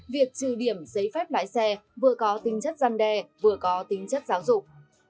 việc trừ điểm giấy phép lái xe vừa có tính chất gian đe vừa có tính chất giáo dục